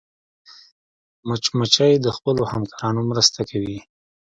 مچمچۍ د خپلو همکارانو مرسته کوي